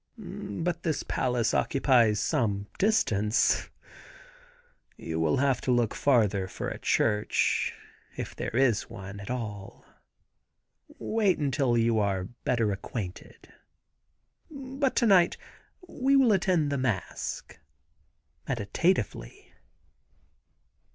"But this palace occupies some distance; you will have to look farther for a church, if there is one at all. Wait until you are better acquainted, but to night we will attend the masque," meditatively.